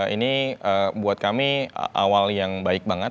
ini buat kami awal yang baik banget